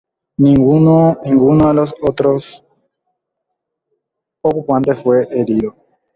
Ninguno de los otros ocupantes fue herido.